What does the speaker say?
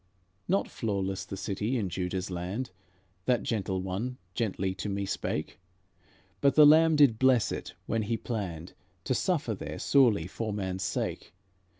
"Not flawless the city in Juda's land," That gentle one gently to me spake, "But the Lamb did bless it when He planned To suffer there sorely for man's sake.